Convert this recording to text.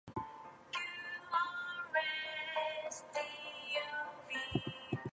To is also an avid amateur photographer.